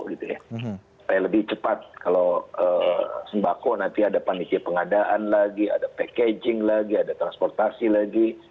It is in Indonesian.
jadi saya lebih cepat kalau sembako nanti ada panisir pengadaan lagi ada packaging lagi ada transportasi lagi